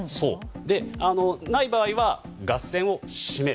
ない場合はガス栓を閉める。